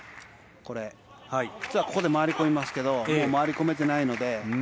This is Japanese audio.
ここで回り込めますけど回り込めていないので。